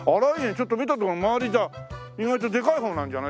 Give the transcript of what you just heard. ちょっと見たとこ周りじゃあ意外とでかい方なんじゃない？